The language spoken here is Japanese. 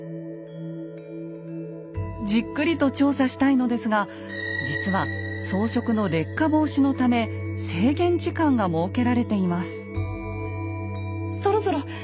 じっくりと調査したいのですが実は装飾の劣化防止のため制限時間が設けられています。